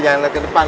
jangan liat kedepan